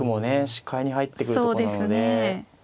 視界に入ってくるとこなので。